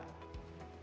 yang harus kita lakukan